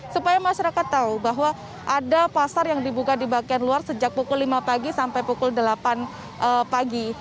supaya masyarakat tahu bahwa ada pasar yang dibuka di bagian luar sejak pukul lima pagi sampai pukul delapan pagi